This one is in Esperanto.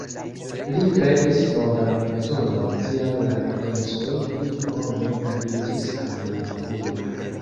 Li kreis novan metodon, tial la lensoj pli bone aliĝis al la okuloj.